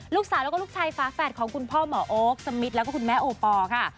ลูกสาวแล้วก็ลูกชายฝาแฝดของคุณพ่อหมอโอ๊คสมิทแล้วก็คุณแม่โอปอล์ค่ะ